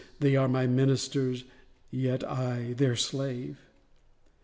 They are my ministers—yet I their slave.